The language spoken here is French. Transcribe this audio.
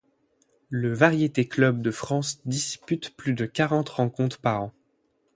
Le Variétés Club de France dispute plus de quarante rencontres par an.